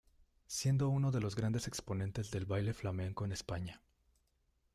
Siendo uno de los grandes exponentes del baile flamenco en España.